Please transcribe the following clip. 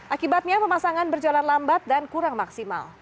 akibatnya pemasangan berjalan lambat dan kurang maksimal